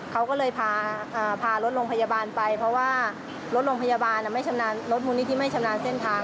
ก็เลยพารถลงพยาบาลไปเพราะว่ารถลงพยาบาลรถมูลนี้ที่ไม่ชำนาญเส้นทาง